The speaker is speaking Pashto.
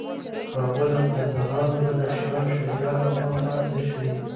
کابل او کندهار به د شاه شجاع لخوا فتح شي.